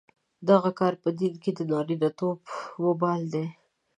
دغه کار په دین کې د نارینتوب وبال دی.